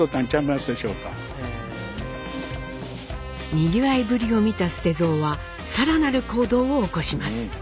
にぎわいぶりを見た捨蔵は更なる行動を起こします。